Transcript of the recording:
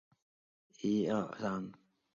泰定四年事。